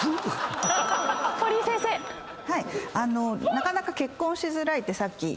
「なかなか結婚しづらい」ってさっき牛窪先生